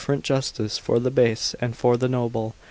rent justice for the base and for the noble.